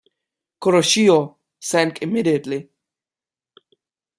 "Kuroshio" sank immediately.